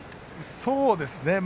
そうですね。